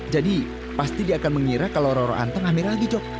jadi pasti dia akan mengira kalau roro anteng hamil lagi jok